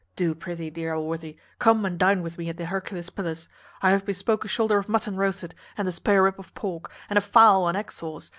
Do, prithee, dear Allworthy, come and dine with me at the Hercules Pillars: I have bespoke a shoulder of mutton roasted, and a spare rib of pork, and a fowl and egg sauce.